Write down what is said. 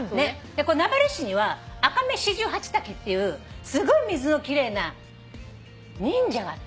名張市には赤目四十八滝っていうすごい水の奇麗な忍者が修行した滝があるの。